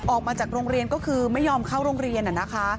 ออกมาจากโรงเรียนก็คือไม่ยอมเข้าโรงเรียน